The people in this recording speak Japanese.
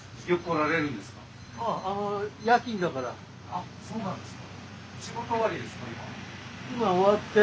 あっそうなんですか。